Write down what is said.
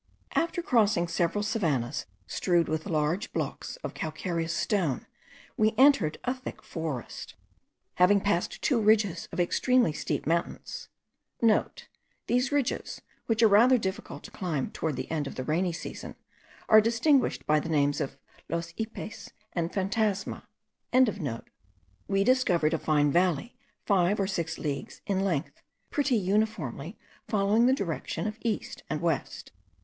After crossing several savannahs strewed with large blocks of calcareous stone, we entered a thick forest. Having passed two ridges of extremely steep mountains,* (* These ridges, which are rather difficult to climb towards the end of the rainy season, are distinguished by the names of Los Yepes and Fantasma.) we discovered a fine valley five or six leagues in length, pretty uniformly following the direction of east and west.